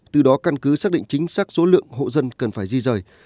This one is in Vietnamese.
từ đó căn cứ xác định chính xác số lượng hộ dân cần phải di rời